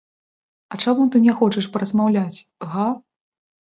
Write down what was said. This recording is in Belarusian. А чаму ты не хочаш паразмаўляць, га?!